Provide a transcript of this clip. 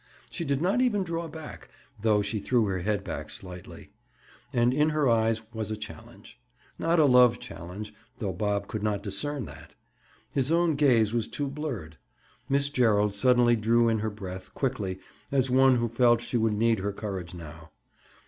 She did not even draw back, though she threw her head back slightly. And in her eyes was a challenge. Not a love challenge, though Bob could not discern that! His own gaze was too blurred. Miss Gerald suddenly drew in her breath quickly, as one who felt she would need her courage now.